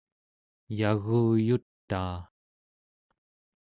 yaguyutaa